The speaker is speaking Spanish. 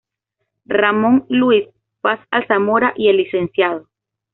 Ramón Luis, Fas Alzamora y el Lcdo.